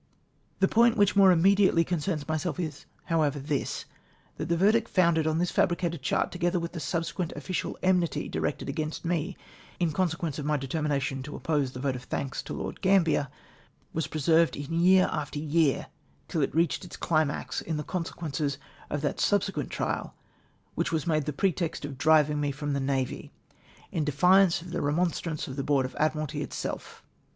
The point which more immediately concerns myself is, however, this :— that the verdict founded on this fabri cated chart, together with the subsequent official enmity directed against me in consequence of my determina tion to oppose the vote of thanks to Lord Gambler, Avas persevered in year after year, till it reached its climax in the consequences of that subsequent trial Avliich was made the pretext for driving me from the navy, in defiance of remonstrance at the Board of Admiralty itself.